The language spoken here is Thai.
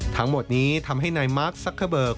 ทั้งหมดนี้ทำให้นายมาร์คซักเกอร์เบิก